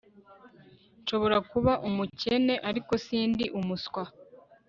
Nshobora kuba umukene ariko sindi umuswa